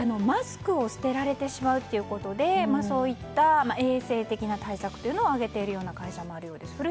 マスクを捨てられてしまうということでそういった衛生的な対策を挙げている会社もあるようです。